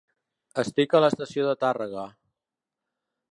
Estic a la estació de Tàrrega.